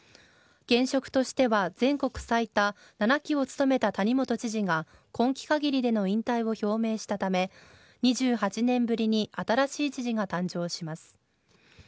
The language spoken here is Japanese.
現職としては全国最多７期を務めた谷本知事が今期限りでの引退を表明したため２８年ぶりに新しい知事が誕生します。